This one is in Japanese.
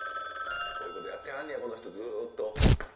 こういうことやってはんねやこの人ずっと５０年。